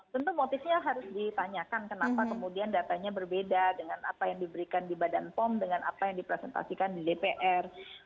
tentu motifnya harus ditanyakan kenapa kemudian datanya berbeda dengan apa yang diberikan di badan pom dengan apa yang dipresentasikan di dpr